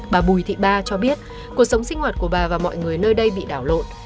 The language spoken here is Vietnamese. bà bùi thị ba cho biết cuộc sống sinh hoạt của bà và mọi người nơi đây bị đảo lộn